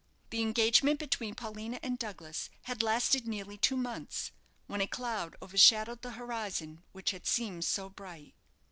The engagement between Paulina and Douglas had lasted nearly two months, when a cloud overshadowed the horizon which had seemed so bright.